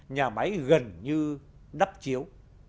nhà máy gần như đắp chiếu